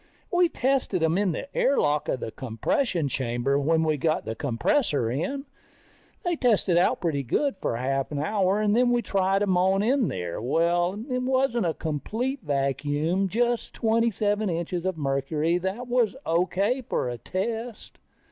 We tested them in the air lock of the compression chamber when we got the compressor in. They tested out pretty good for a half hour, then we tried them on in there. Well, it wasn't a complete vacuum, just twenty seven inches of mercury, but that was O.K. for a test.